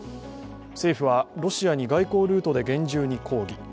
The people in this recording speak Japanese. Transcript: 政府はロシアに外交ルートで厳重に抗議。